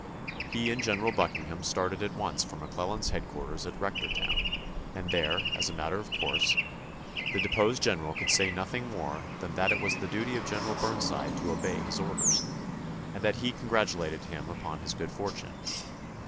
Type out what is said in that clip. He and General Buckingham started at once for McClellan's headquarters at Rectortown, and there, as a matter of course, the deposed general could say nothing more than that it was the duty of General Burnside to obey his orders, and that he congratulated him upon his good fortune.